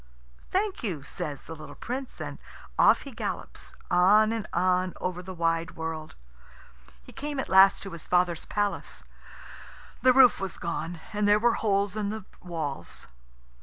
"Thank you," says the little Prince, and off he gallops, on and on over the wide world. He came at last to his father's palace. The roof was gone, and there were holes in the walls.